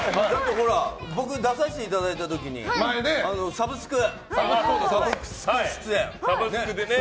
僕、出させていただいた時にサブスク出演。